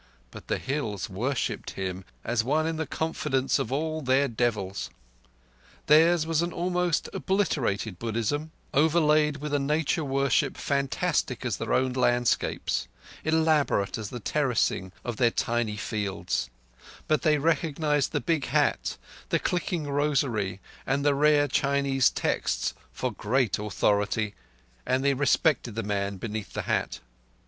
But the Hills worshipped him as one in the confidence of all their devils. Theirs was an almost obliterated Buddhism, overlaid with a nature worship fantastic as their own landscapes, elaborate as the terracing of their tiny fields; but they recognized the big hat, the clicking rosary, and the rare Chinese texts for great authority; and they respected the man beneath the hat.